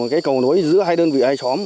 cái cầu nối giữa hai đơn vị hai xóm